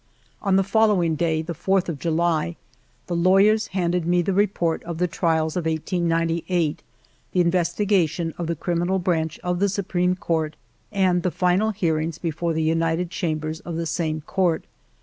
On the following day, the 4th of July, the lawyers handed me the report of the trials of 1898, the investigation of the Criminal Branch of the Supreme Court, and the final hearings be fore the United Chambers of the same court.